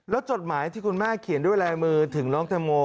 แล้วจดหมายที่คุณแม่เขียนด้วยลายมือถึงน้องแตงโม